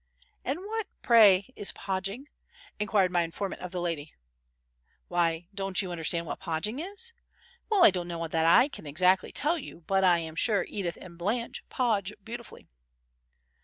"And what, pray, is 'podging'?" enquired my informant of the lady. "Why, don't you understand what 'podging' is? Well, I don't know that I can exactly tell you, but I am sure Edith and Blanche podge beautifully."